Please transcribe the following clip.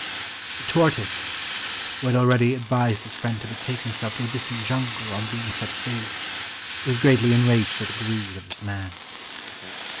The tortoise, who had already advised his friend to betake himself to a distant jungle on being set free, was greatly enraged at the greed of this man.